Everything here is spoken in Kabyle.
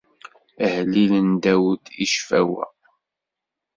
Ahellil n Dawed, i ccfawa.